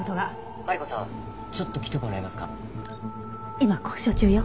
今交渉中よ。